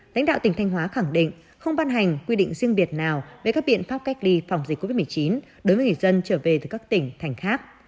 lãnh đạo tỉnh thanh hóa khẳng định không ban hành quy định riêng biệt nào về các biện pháp cách ly phòng dịch covid một mươi chín đối với người dân trở về từ các tỉnh thành khác